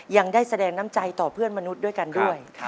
ยังได้แสดงน้ำใจต่อเพื่อนมนุษย์ด้วยกันด้วย